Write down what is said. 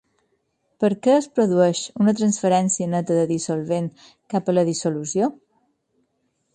Per què es produeix una transferència neta de dissolvent cap a la dissolució?